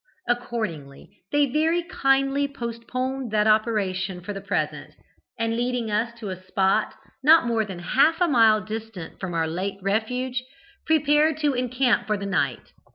Accordingly, they very kindly postponed that operation for the present, and leading us to a spot not more than half a mile distant from our late refuge, prepared to encamp for the night.